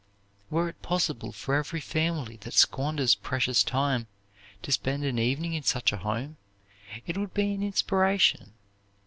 Were it possible for every family that squanders precious time, to spend an evening in such a home, it would be an inspiration.